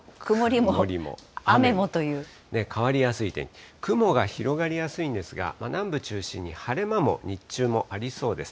変わりやすい天気、雲が広がりやすいんですが、南部中心に晴れ間も日中もありそうです。